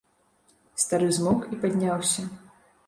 Стары змоўк і падняўся.